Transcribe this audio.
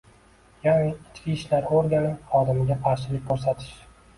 ya’ni ichki ishlar organi xodimiga qarshilik ko‘rsatish.